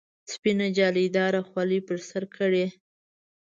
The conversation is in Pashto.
سپینه جالۍ داره خولۍ پر سر کړي.